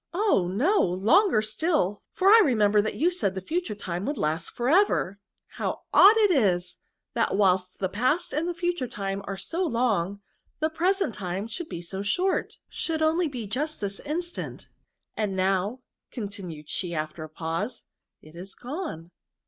— oh ! no, longer still, for I remember that you said the future time would last for ever ! How odd it is, that whilst the past and the future time are Bo long, the present time should be so short — should be only just this instant ; and now," continued she after a pause, " it is gone